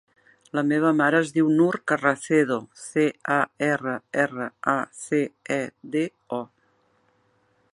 La meva mare es diu Nour Carracedo: ce, a, erra, erra, a, ce, e, de, o.